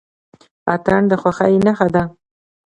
اتن د خوښۍ نښه ده.